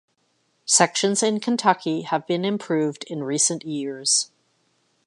Sections in Kentucky have been improved in recent years.